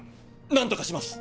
何とかします！